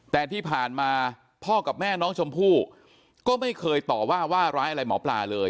แต่ที่ผ่านมาพ่อกับแม่น้องชมพู่ก็ไม่เคยต่อว่าว่าร้ายอะไรหมอปลาเลย